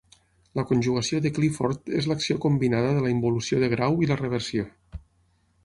La conjugació de Clifford és l'acció combinada de la involució de grau i la reversió.